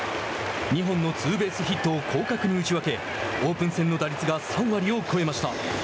２本のツーベースヒットを広角に打ち分けオープン戦の打率が３割を超えました。